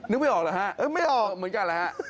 นึกไม่ออกหรือฮะไม่ออกเหมือนกันหรือฮะ